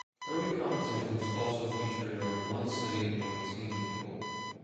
Early competitions also featured a "one city, one team" rule.